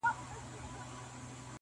چي یې ښځي ویل واوره دا خبره -